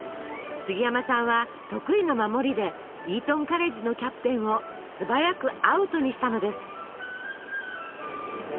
杉山さんは得意の守りでイートンカレッジのキャプテンを素早くアウトにしたのです。